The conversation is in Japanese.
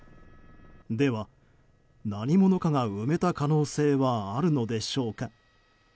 では、何者かが埋めた可能性はあるのでしょうか。